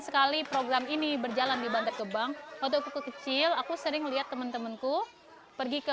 sekali program ini berjalan di bantet gebang foto kecil aku sering lihat temen temenku pergi ke